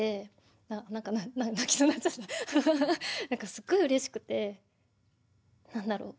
すごいうれしくて何だろう